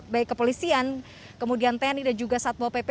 baik kepolisian kemudian tni dan juga satpol pp